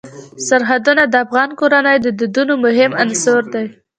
سرحدونه د افغان کورنیو د دودونو مهم عنصر دی.